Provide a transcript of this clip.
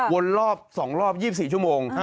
รอบ๒รอบ๒๔ชั่วโมง